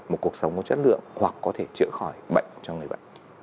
một cuộc sống có chất lượng hoặc có thể chữa khỏi bệnh cho người bệnh